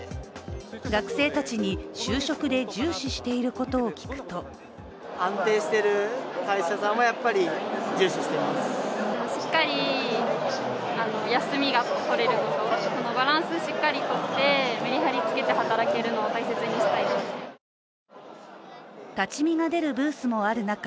学生たちに就職で重視していることを聞くと立ち見が出るブースもある中